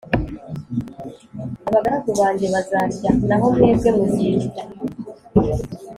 abagaragu banjye bazarya naho mwebwe muzicwa